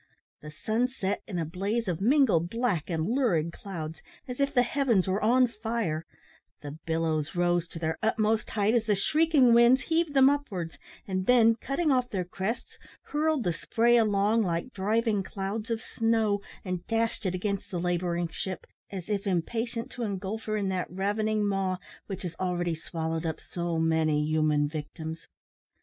The sun set in a blaze of mingled black and lurid clouds, as if the heavens were on fire; the billows rose to their utmost height as the shrieking winds heaved them upwards, and then, cutting off their crests, hurled the spray along like driving clouds of snow, and dashed it against the labouring ship, as if impatient to engulf her in that ravening maw which has already swallowed up so many human victims.